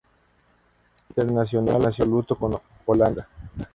Es internacional absoluto con Holanda